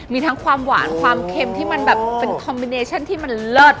มีทั้งความหวานความเค็มที่มันแบบเป็นคอมมิเนชั่นที่มันเลิศ